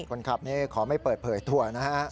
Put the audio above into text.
คนขับนี่ขอไม่เปิดเผยถั่วนะครับ